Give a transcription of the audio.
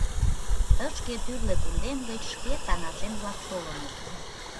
— Тышке тӱрлӧ кундем гыч шке таҥашем-влак толыныт.